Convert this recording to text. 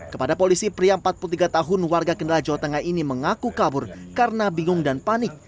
kepada polisi pria empat puluh tiga tahun warga kendala jawa tengah ini mengaku kabur karena bingung dan panik